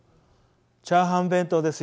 チャーハン弁当ですよ。